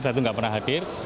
satu tidak pernah hadir